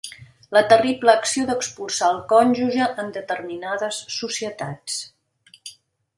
La terrible acció d'expulsar el cònjuge en determinades societats.